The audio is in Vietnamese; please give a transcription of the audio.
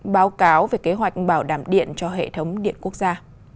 báo cáo về kế hoạch bảo đảm điện cho hệ thống điện quốc gia